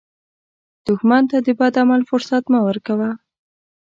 دښمن ته د بد عمل فرصت مه ورکوه